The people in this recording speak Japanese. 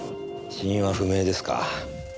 死因は不明ですか。